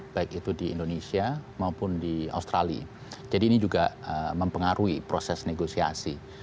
baik itu di indonesia maupun di australia jadi ini juga mempengaruhi proses negosiasi